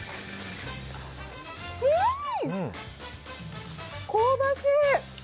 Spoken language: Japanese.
うん、香ばしい！